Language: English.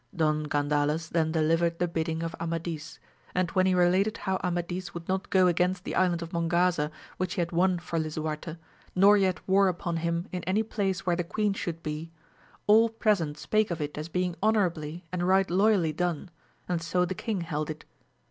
Don Gandales then delivered the bidding of Amadis, and when he related how Amadis would not go against the island of Mongaza which he had won for Lisuarte, 152 AMADIS OF GAUL. nor yet war upon him in any place where the qu^en should be, all present spake of it as being honourably and right loyally done, and so the king held it.